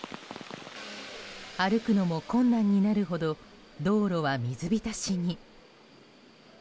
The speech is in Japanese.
歩くのも困難になるほど道路は水浸しに。